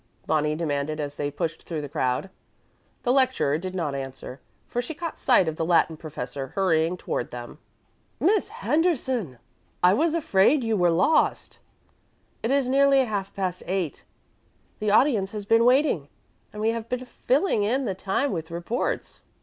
Bonnie demanded as they pushed through the crowd. The lecturer did not answer, for she caught sight of the Latin professor hurrying toward them. "Miss Henderson! I was afraid you were lost. It is nearly half past eight. The audience has been waiting, and we have been filling in the time with reports."